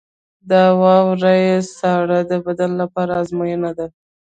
• د واورې ساړه د بدن لپاره ازموینه ده.